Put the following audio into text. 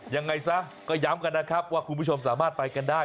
ยังไงซะก็ย้ำกันนะครับว่าคุณผู้ชมสามารถไปกันได้